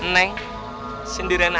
neng sendirian aja neng